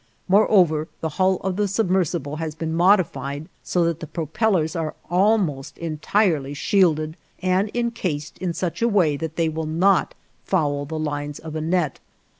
Moreover, the hull of the submersible has been modified so that the propellers are almost entirely shielded and incased in such a way that they will not foul the lines of a net.